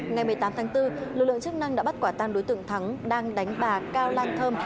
ngày một mươi tám tháng bốn lực lượng chức năng đã bắt quả tang đối tượng thắng đang đánh bà cao lan thơm